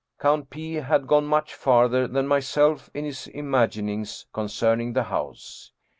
Count P. had gone much farther than myself in his imaginings concern ing the house.